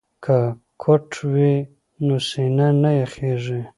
که کوټ وي نو سینه نه یخیږي.